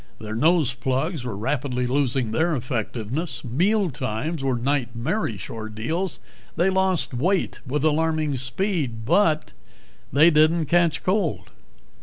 Their nose plugs were rapidly losing their effectiveness. Mealtimes were nightmarish ordeals; they lost weight with alarming speed. But they didn't catch cold.